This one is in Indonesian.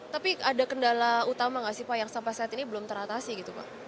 tapi ada kendala utama nggak sih pak yang sampai saat ini belum teratasi gitu pak